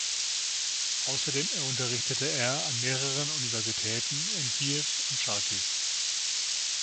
Außerdem unterrichtete er an mehreren Universitäten in Kiew und Charkiw.